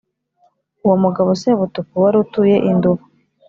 uwo mugabo Sebutuku wari utuye i Nduba